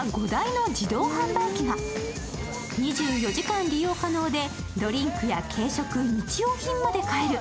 ２４時間利用可能でドリンクや軽食、日用品まで買える。